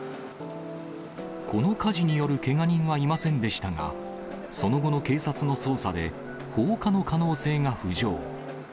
この火事によるけが人はいませんでしたが、その後の警察の捜査で、放火の可能性が浮上。